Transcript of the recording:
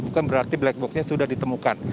bukan berarti black box nya sudah ditemukan